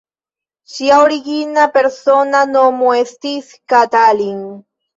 Ŝia origina persona nomo estis "Katalin".